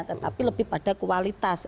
tetapi lebih pada kualitas